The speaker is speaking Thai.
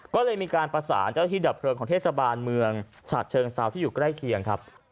ก็เลยมีการประสานเจ้าที่ดับเพลิงของเทศบาลเมืองฉะเชิงเซาที่อยู่ใกล้เคียงครับ